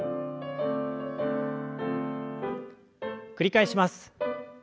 繰り返します。